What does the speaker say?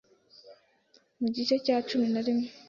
Mu gice cya Cumi na rimwe